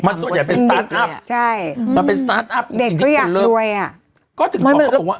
มันส่วนใหญ่เป็นใช่มันเป็นเด็กเขาอยากรวยอ่ะก็ถึงบอกเขาบอกว่า